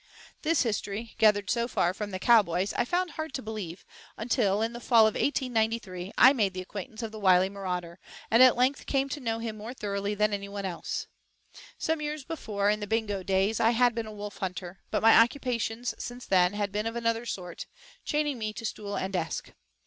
II This history, gathered so far from the cowboys, I found hard to believe until, in the fall of 1893, I made the acquaintance of the wily marauder, and at length came to know him more thoroughly than anyone else. Some years before, in the Bingo days, I had been a wolf hunter, but my occupations since then had been of another sort, chaining me to stool and desk.